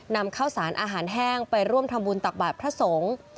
นำข้าวสารอาหารแห้งไปร่วมทำบุญตักบาทพระสงฆ์